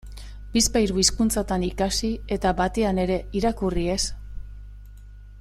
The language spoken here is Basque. Bizpahiru hizkuntzatan ikasi eta batean ere irakurri ez.